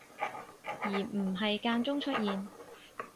而唔係間中出現